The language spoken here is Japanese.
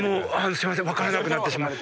すいません分からなくなってしまって。